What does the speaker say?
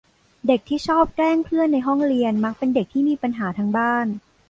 เด็กที่ชอบแกล้งเพื่อนในห้องเรียน มักเป็นเด็กที่มีปัญหาทางบ้าน